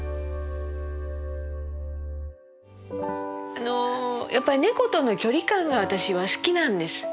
あのやっぱり猫との距離感が私は好きなんです。